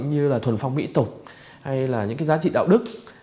như là thuần phong mỹ tục hay là những cái giá trị đạo đức